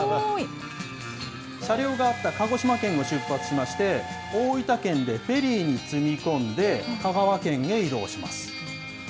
車両があった鹿児島県を出発しまして、大分県でフェリーに積み込んで、香川県へ移動します。